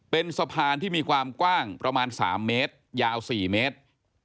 เป็นสะพานที่มีความกว้างประมาณ๓เมตรยาว๔เมตร